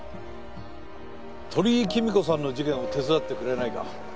鳥居貴美子さんの事件を手伝ってくれないか？